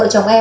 hôm nay thì